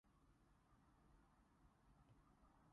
獨自在山坡,高處食雪糕.